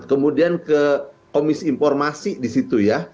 kemudian ke komisi informasi disitu ya